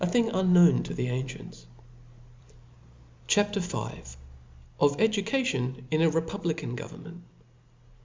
thing unknown to the ancients. C H A P. V. Of Ejection in a repubUcan Giv^rnment.